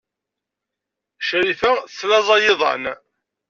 Crifa teslaẓay iḍan.